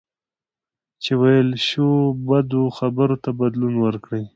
چې ویل شوو بدو خبرو ته بدلون ورکړئ.